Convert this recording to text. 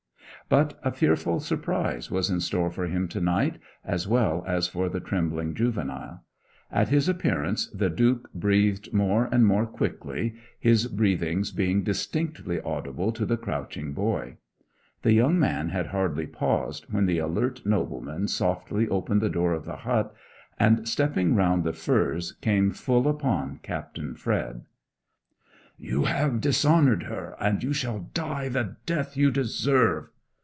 But a fearful surprise was in store for him to night, as well as for the trembling juvenile. At his appearance the Duke breathed more and more quickly, his breathings being distinctly audible to the crouching boy. The young man had hardly paused when the alert nobleman softly opened the door of the hut, and, stepping round the furze, came full upon Captain Fred. 'You have dishonoured her, and you shall die the death you deserve!'